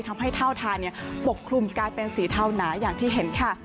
ทำให้เท่าทานปกคลุมกลายเป็นสีเทาหนาอย่างที่เห็นค่ะ